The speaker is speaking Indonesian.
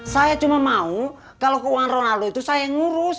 saya cuma mau kalau keuangan ronaldo itu saya yang ngurus